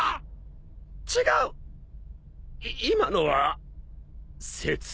違う今のは説明。